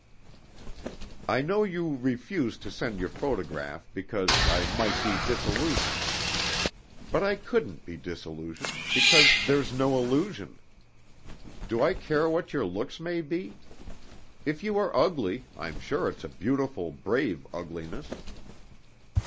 "I know you refused to send your photograph, because I 'might be disillusioned.' But I couldn't be disillusioned, because there's no illusion. Do I care what your looks may be? If you are ugly, I'm sure it's a beautiful, brave ugliness.